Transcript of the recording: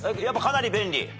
やっぱかなり便利？